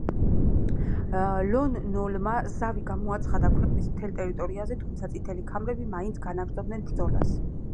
ლონ ნოლმა ზავი გამოაცხადა ქვეყნის მთელ ტერიტორიაზე, თუმცა წითელი ქმერები მაინც განაგრძობდნენ ბრძოლას.